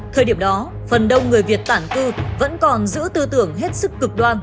thời điểm đó phần đông người việt tản cư vẫn còn giữ tư tưởng hết sức cực đoan